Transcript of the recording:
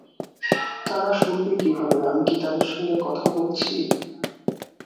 তারা শুনবে কীভাবে, আমি কি তাদের সঙ্গে কথা বলছি?